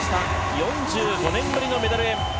４５年ぶりのメダルへ。